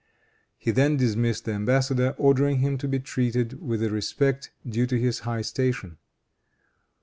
He then dismissed the embassador, ordering him to be treated with the respect due his high station.